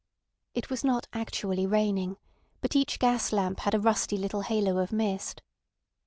It was not actually raining, but each gas lamp had a rusty little halo of mist.